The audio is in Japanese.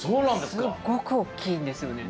すごく大きいんですよね。